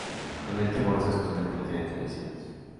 Con el tiempo, estas costumbres se convierten en tradiciones.